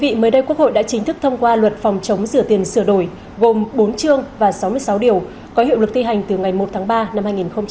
thưa quý vị quốc hội đã chính thức thông qua luật phòng chống rửa tiền sửa đổi gồm bốn chương và sáu mươi sáu điều có hiệu lực thi hành từ ngày một tháng ba năm hai nghìn hai mươi